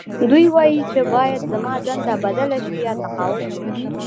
دوی وايي چې باید زما دنده بدله شي یا تقاعد شم